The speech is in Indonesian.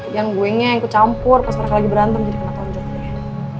dan gue ngeikut campur pas mereka lagi berantem jadi kena tonjol deh